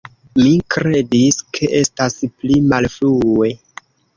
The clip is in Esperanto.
Mi kredis, ke estas pli malfrue.